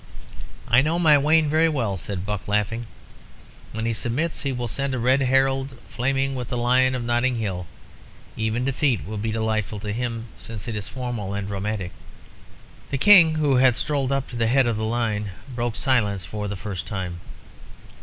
"I know my Wayne very well," said Buck, laughing. "When he submits he will send a red herald flaming with the Lion of Notting Hill. Even defeat will be delightful to him, since it is formal and romantic." The King, who had strolled up to the head of the line, broke silence for the first time.